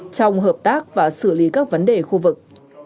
trong hợp tác và xử lý các vấn đề khu vực